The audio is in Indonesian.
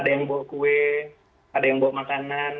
ada yang bawa kue ada yang bawa makanan